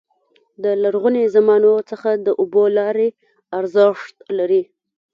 د لرغوني زمانو څخه د اوبو لارې ارزښت لري.